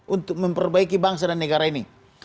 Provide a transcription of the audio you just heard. untuk memperbaiki bangsa dan negara ini